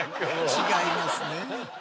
違いますね。